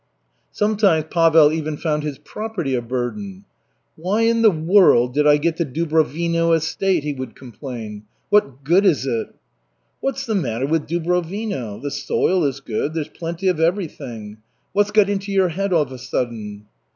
Sometimes Pavel even found his property a burden. "Why in the world did I get the Dubrovino estate?" he would complain. "What good is it?" "What's the matter with Dubrovino? The soil is good, there's plenty of everything. What's got into your head of a sudden?"